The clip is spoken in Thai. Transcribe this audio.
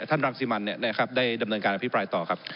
ท่านรักษีมันเนี่ยได้ครับได้ดำเนินการอภิปรายต่อครับ